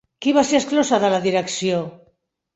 Qui va ser exclosa de la direcció?